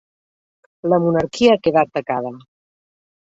La monarquia ha quedat tacada.